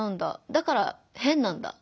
だから変なんだ。